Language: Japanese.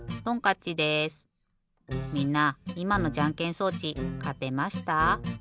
みんないまのじゃんけん装置かてました？